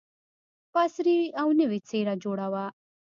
په عصري او نوې څېره جوړه وه.